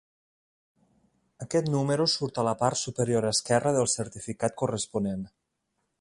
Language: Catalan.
Aquest número surt a la part superior esquerra del certificat corresponent.